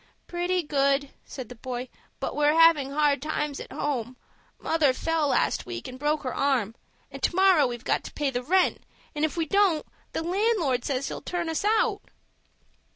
"Pretty good," said the boy; "but we're havin' hard times at home. Mother fell last week and broke her arm, and to morrow we've got to pay the rent, and if we don't the landlord says he'll turn us out."